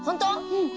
うん。